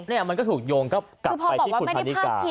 นี่มันก็ถูกโยงก็กลับไปที่คุณพันนิกา